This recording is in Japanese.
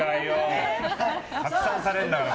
拡散されるんだから。